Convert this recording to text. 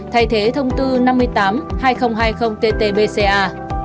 thay thế thông tư năm mươi tám hai nghìn hai mươi tt pca